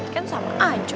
kan sama aja